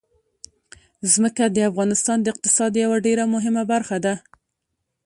ځمکه د افغانستان د اقتصاد یوه ډېره مهمه برخه ده.